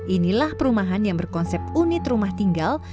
inilah perumahan yang berkonsep unit rumah tinggal